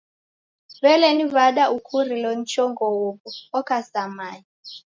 W'ele ni w'ada ukurilo ni chongo huw'u? Oka sa mae.